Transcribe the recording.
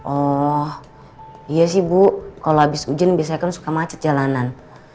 oh iya sih bu kalau habis hujan biasanya kan suka macet jalanan